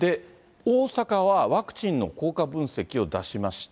大阪はワクチンの効果分析を出しました。